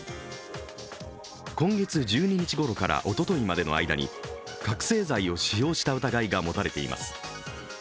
今月１２日ごろからおとといまでの間に覚醒剤を使用した疑いが持たれています。